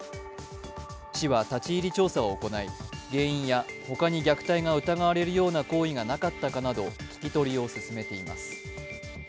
市は立ち入り調査を行い原因や他に虐待が疑われるような行為がなかったなど聞き取りを進めています。